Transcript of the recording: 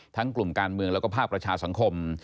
กลุ่มการเมืองแล้วก็ภาคประชาสังคม